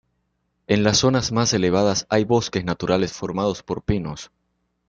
En las zonas más elevadas hay bosques naturales formados por pinos.